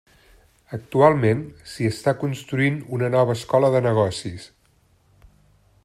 Actualment, s'hi està construint una nova escola de negocis.